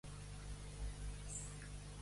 Hawaii Publ.